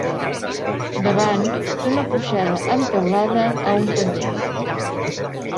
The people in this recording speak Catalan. Davant té una porxada amb teulada a un pendent.